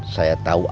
saya tahu alam